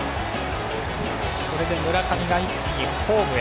これで村上が一気にホームへ。